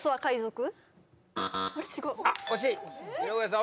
井上さん